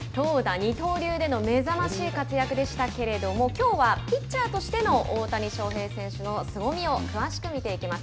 二刀流での目覚ましい活躍でしたけれどもきょうはピッチャーとしての大谷翔平選手のすごみを詳しく見ていきます。